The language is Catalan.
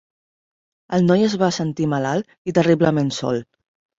El noi es va sentir malalt i terriblement sol.